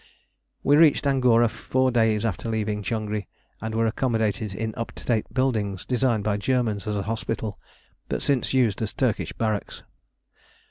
We reached Angora four days after leaving Changri, and were accommodated in up to date buildings, designed by Germans as a hospital, but since used as Turkish barracks.